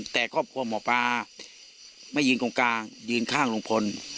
แต่ครอบครัวหมอปลาไม่ยืนตรงกลางยืนข้างลุงพล